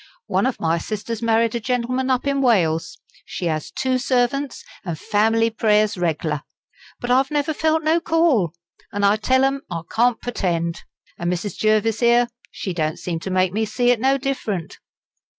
One of my sisters married a gentleman up in Wales. She 'as two servants, an' fam'ly prayers reg'lar. But I've never felt no 'call,' and I tell 'em I can't purtend. An' Mrs. Jervis here, she don't seem to make me see it no different."